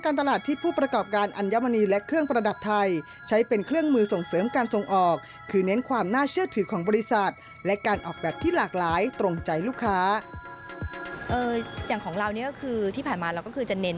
อย่างของเราเนี่ยก็คือที่ผ่านมาเราก็คือจะเน้น